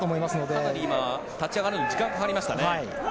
かなり今、立ち上がるのに時間がかかりましたね。